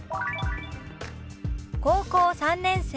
「高校３年生」。